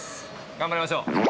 頑張りましょう。